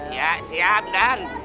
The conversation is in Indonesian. ya siap dan